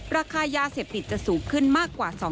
ราคายาเสพติดจะสูงขึ้นมากกว่า